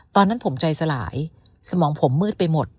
ตอนนั้นผมใจสลายสมองผมมืดไปหมด